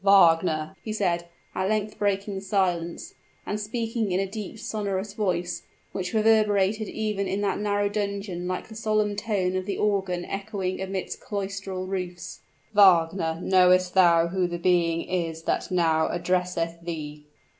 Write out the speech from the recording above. "Wagner!" he said, at length breaking silence, and speaking in a deep sonorous voice, which reverberated even in that narrow dungeon like the solemn tone of the organ echoing amidst cloistral roofs: "Wagner, knowest thou who the being is that now addresseth thee?"